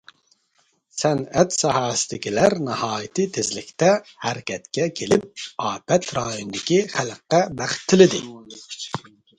سەنئەت ساھەسىدىكىلەر ناھايىتى تېزلىكتە ھەرىكەتكە كېلىپ، ئاپەت رايونىدىكى خەلققە بەخت تىلىدى.